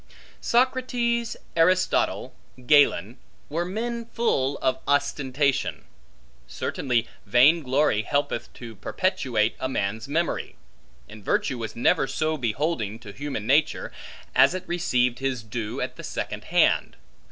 Socrates, Aristotle, Galen, were men full of ostentation. Certainly vain glory helpeth to perpetuate a man's memory; and virtue was never so beholding to human nature, as it received his due at the second hand.